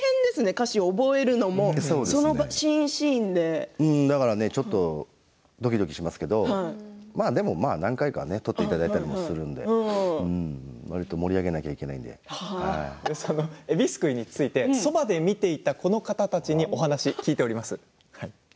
歌詞を覚えるのもだから、ちょっとどきどきしますけどまあ、でも何回か撮っていただいたりもするのでわりと盛り上げなきゃえびすくいについてそばで見ていたこの方たちにお話を聞いています。